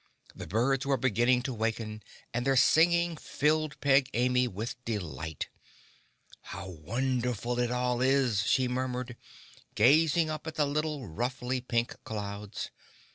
The birds were beginning to waken and their singing filled Peg Amy with delight. "How wonderful it all is," she murmured, gazing up at the little ruffly pink clouds.